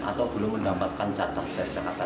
atau belum mendapatkan catat dari jakarta